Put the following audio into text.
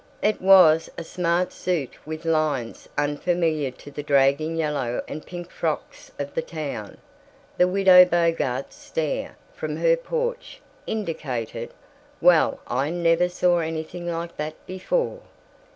It was a smart suit with lines unfamiliar to the dragging yellow and pink frocks of the town. The Widow Bogart's stare, from her porch, indicated, "Well I never saw anything like that before!"